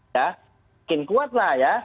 makin kuatlah ya